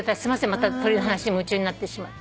また鳥の話に夢中になってしまって。